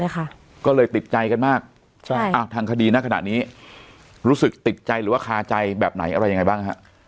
ก็เลยติดใจกันมากทางคดีณขณะนี้รู้สึกติดใจหรือว่าคาใจแบบไหนอะไรยังไงบ้างฮะ